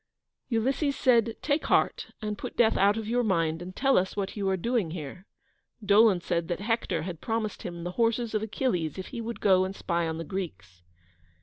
Ulysses said, "Take heart, and put death out of your mind, and tell us what you are doing here." Dolon said that Hector had promised him the horses of Achilles if he would go and spy on the Greeks.